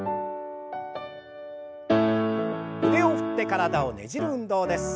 腕を振って体をねじる運動です。